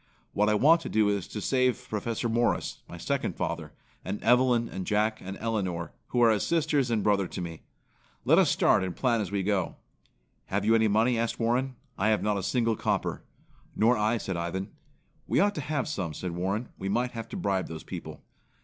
What I want to do is to save Professor Morris, my second father, and Evelyn and Jack and Elinor, who are as sisters and brother to me. Let us start and plan as we go." "Have you any money?" asked Warren. "I have not a single copper." "Nor I," said Ivan. "We ought to have some," said Warren. "We might have to bribe those people."